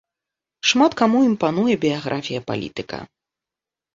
Шмат каму імпануе біяграфія палітыка.